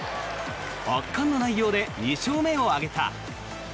圧巻の内容で２勝目を挙げた。